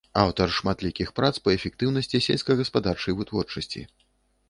Аўтар шматлікіх прац па эфектыўнасці сельскагаспадарчай вытворчасці.